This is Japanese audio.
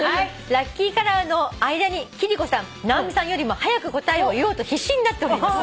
「ラッキーカラーの間に貴理子さん直美さんよりも早く答えを言おうと必死になっております」